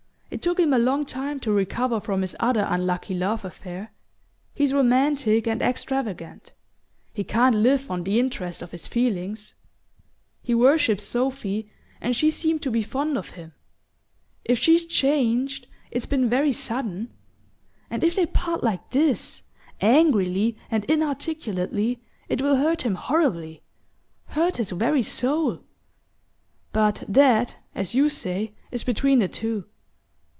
It took him a long time to recover from his other unlucky love affair. He's romantic and extravagant: he can't live on the interest of his feelings. He worships Sophy and she seemed to be fond of him. If she's changed it's been very sudden. And if they part like this, angrily and inarticulately, it will hurt him horribly hurt his very soul. But that, as you say, is between the two.